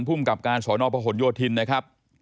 ผู้มกับการสรนอประหลโยธินนะครับ